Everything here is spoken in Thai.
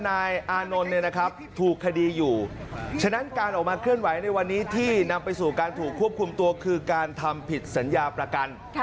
อันนี้ที่นำไปสู่การถูกควบคุมตัวคือการทำผิดสัญญาประกัน